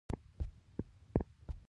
که مورګان پر دې موضوع را څرخېدلی وای.